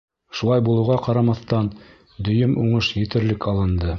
Шулай булыуға ҡарамаҫтан, дөйөм уңыш етерлек алынды.